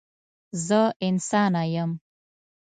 زه انسانه یم.